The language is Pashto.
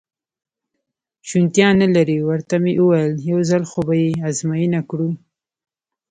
شونېتیا نه لري، ورته مې وویل: یو ځل خو به یې ازموینه کړو.